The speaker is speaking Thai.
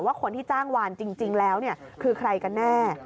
คนที่จ้างวานจริงแล้วคือใครกันแน่